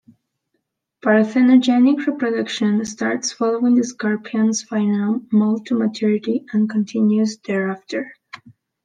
Parthenogenic reproduction starts following the scorpion's final moult to maturity and continues thereafter.